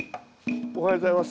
おはようございます。